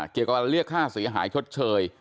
เกี่ยวกับเวลาละเลือกค่าศีหายชดเชย